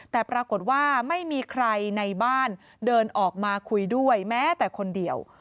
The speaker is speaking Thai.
แต่ปรากฏว่าไม่มีใครในบ้านเดินออกมาคุยด้วยแม้แต่คนเดียว